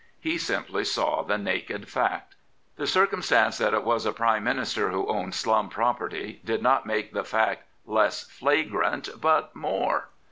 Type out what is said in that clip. He simply saw the naked fact. The circumstance that it was a Prime Minister who owned slum property did not make the fact less flagrant, but more.